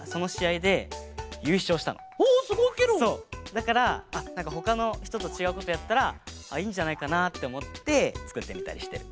だからほかのひととちがうことやったらいいんじゃないかなっておもってつくってみたりしてる。